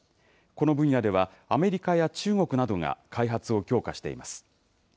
この分野では、アメリカや中国などが開発を強化しています。